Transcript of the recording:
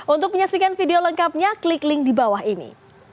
untuk menyaksikan video lengkapnya klik link di bawah ini